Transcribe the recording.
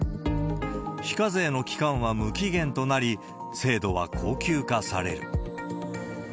非課税の期間は無期限となり、制度は恒久化される。